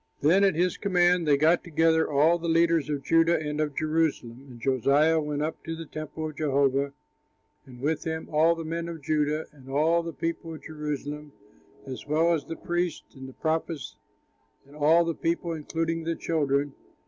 Then at his command they got together all the leaders of Judah and of Jerusalem. And Josiah went up to the temple of Jehovah, and with him all the men of Judah and all the people of Jerusalem, as well as the priests and the prophets and all the people, including the children.